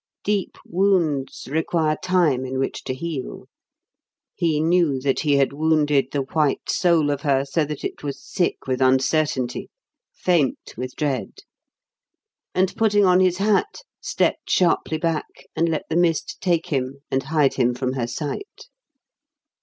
Deep wounds require time in which to heal. He knew that he had wounded the white soul of her so that it was sick with uncertainty, faint with dread; and, putting on his hat, stepped sharply back and let the mist take him and hide him from her sight.